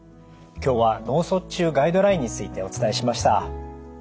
今日は脳卒中ガイドラインについてお伝えしました。